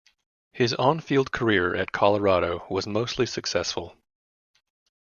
His on-field career at Colorado was mostly successful.